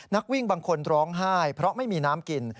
นักวิ่งบางคนร้องไห้เพราะไม่มีน้ำกิน